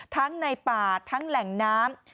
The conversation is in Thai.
ในป่าทั้งแหล่งน้ำ